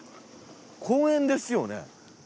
公園ですよね？